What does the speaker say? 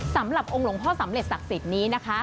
สำหรับองค์หลวงพ่อสำเร็จศักดิ์สิทธิ์นี้นะคะ